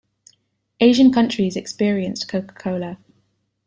Asian countries experienced Coca-Cola.